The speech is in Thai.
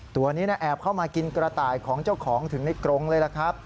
ตัวนี้แอบเข้ามากินกระต่ายของเจ้าของถึงในกรงเลยล่ะครับ